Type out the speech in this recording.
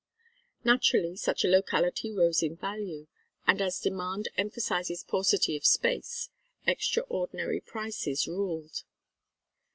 Naturally such a locality rose in value, and as demand emphasises paucity of space, extraordinary prices ruled.